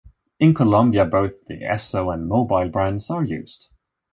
In Colombia, both the Esso and Mobil brands are used.